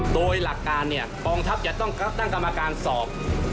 โดยหลักการเนี่ยกองทัพจะต้องตั้งกรรมการสอบ